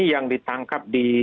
yang ditangkap di